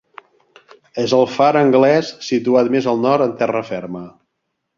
És el far anglès situat més al nord en terra ferma.